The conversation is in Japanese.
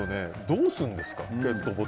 どうするんですか？